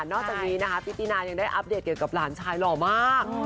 จากนี้นะคะพี่ตินายังได้อัปเดตเกี่ยวกับหลานชายหล่อมาก